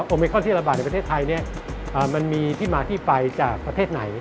โอมิคอนที่ระบาดในประเทศไทยมันมีที่มาที่ไปจากประเทศไหน